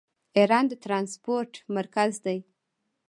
ایران د ټرانسپورټ مرکز دی.